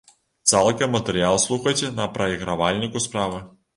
Цалкам матэрыял слухайце на прайгравальніку справа.